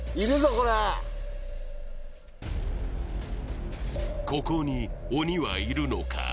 これここに鬼はいるのか？